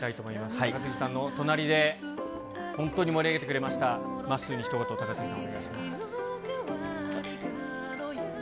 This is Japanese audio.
高杉さんの隣で本当に盛り上げてくれました、まっすーにひと言、高杉さん、お願いします。